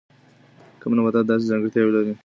کم نباتات داسې ځانګړتیاوې لري.